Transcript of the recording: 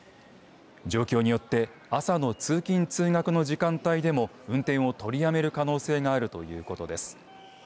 状況によって朝の通勤通学の時間帯でも運転を取りやめる可能性があるということです。